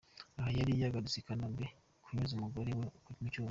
Aha yari yagarutse i Kanombe kunyuza umugore we mu cyuma.